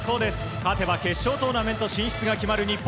勝てば決勝トーナメント進出が決まる日本。